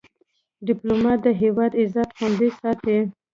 ډيپلومات د هیواد عزت خوندي ساتي.